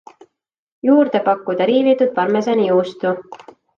Juurde pakkuda riivitud parmesani juustu.